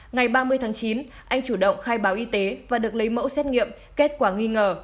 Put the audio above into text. ngày ba mươi tháng chín anh chủ động khai báo y tế và được lấy mẫu xét nghiệm kết quả nghi ngờ